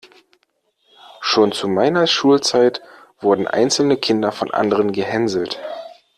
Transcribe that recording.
Schon zu meiner Schulzeit wurden einzelne Kinder von anderen gehänselt.